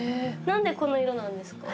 何でこの色なんですか？